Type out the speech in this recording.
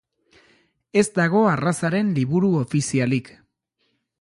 Ez dago arrazaren liburu ofizialik.